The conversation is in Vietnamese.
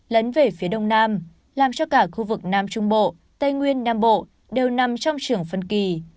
lấn về phía đông nam làm cho cả khu vực nam trung bộ tây nguyên nam bộ đều nằm trong trường phân kỳ